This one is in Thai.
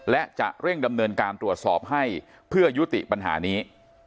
และจะเร่งดำเนินการตรวจสอบให้เพื่อยุติปัญหานี้